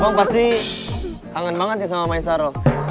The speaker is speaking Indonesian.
bang pasti kangen banget ya sama maisaro